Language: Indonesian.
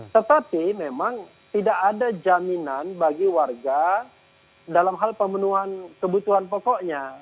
tetapi memang tidak ada jaminan bagi warga dalam hal pemenuhan kebutuhan pokoknya